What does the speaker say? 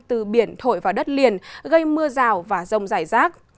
từ biển thổi vào đất liền gây mưa rào và rông rải rác